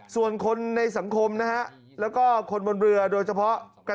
ส่วนคนในสังคมและคนบนเรือโดยเฉพาะ